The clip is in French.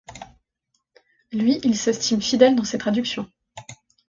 Lui, il s’estime fidèle dans ses traductions.